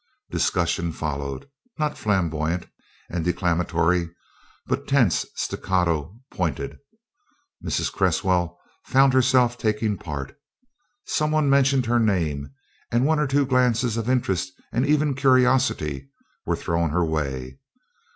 Discussion followed; not flamboyant and declamatory, but tense, staccato, pointed. Mrs. Cresswell found herself taking part. Someone mentioned her name, and one or two glances of interest and even curiosity were thrown her way.